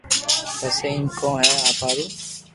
پسي ايم ڪون ھي آپ ھارو